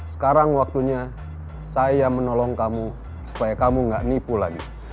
sekarang waktunya saya menolong kamu supaya kamu gak nipu lagi